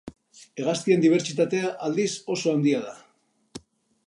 Hegaztien dibertsitatea aldiz oso handia da.